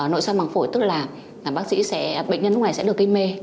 nội soi măng phổi tức là bệnh nhân lúc này sẽ được kinh mê